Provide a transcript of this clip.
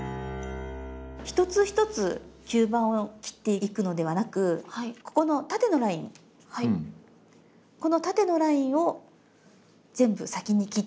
一つ一つ吸盤を切っていくのではなくここの縦のラインこの縦のラインを全部先に切っていきます。